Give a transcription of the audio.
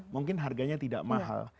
mungkin harganya tidak mahal